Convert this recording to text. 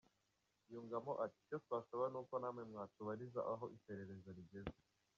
Yungamo ati “Icyo twasaba n’uko namwe mwabatubariza aho iperereza rigeze….